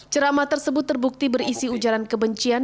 ceramah tersebut terbukti berisi ujaran kebencian